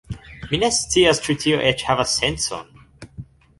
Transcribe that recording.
Mi ne scias, ĉu tio eĉ havas sencon